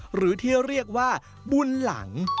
หรือที่เรียกว่าบุญหลัง